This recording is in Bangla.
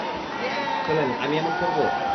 চলেন আমি এমন করব?